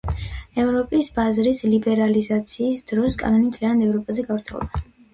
ევროპის ბაზრის ლიბერალიზაციის დროს, კანონი მთლიანად ევროპაზე გავრცელდა.